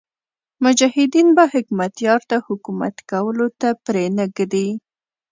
مجاهدین به حکمتیار ته حکومت کولو ته پرې نه ږدي.